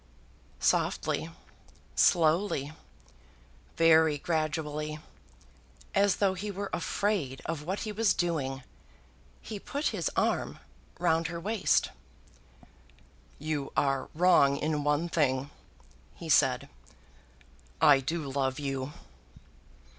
Softly, slowly, very gradually, as though he were afraid of what he was doing, he put his arm round her waist. "You are wrong in one thing," he said. "I do love you."